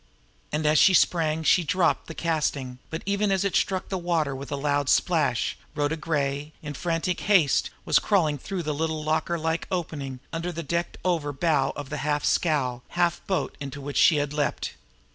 And as she sprang she dropped the casting; but even as it struck the water with a loud splash, Rhoda Gray, in frantic haste, was crawling in through the little locker like opening under the decked over bow of the half scow, half boat into which she had leaped.